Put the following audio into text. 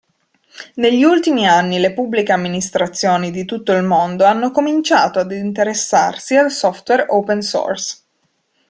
Negli ultimi anni le Pubbliche Amministrazioni di tutto il mondo hanno cominciato ad interessarsi al software open-source.